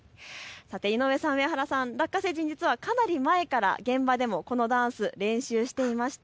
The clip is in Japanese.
井上さん、上原さん、ラッカ星人、実はかなり前から現場でもこのダンス、練習していました。